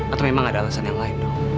atau memang ada alasan yang lain